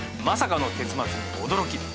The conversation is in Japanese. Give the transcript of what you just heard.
まさかの結末に驚き。